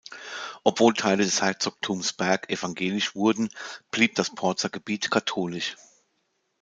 Obwohl Teile des Herzogtums Berg evangelisch wurden, blieb das Porzer Gebiet katholisch.